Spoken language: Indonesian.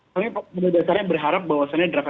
saya pada dasarnya berharap bahwa sebenarnya